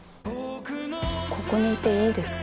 ここにいていいですか？